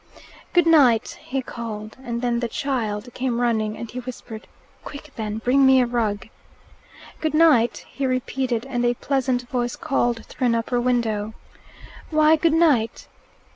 "Goodnight!" he called, and then the child came running, and he whispered, "Quick, then! Bring me a rug." "Good night," he repeated, and a pleasant voice called through an upper window, "Why good night?"